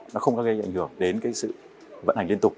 nó không có gây ảnh hưởng đến cái sự vận hành liên tục